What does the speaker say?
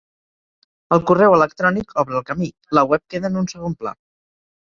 El correu electrònic obre el camí, la web queda en un segon pla.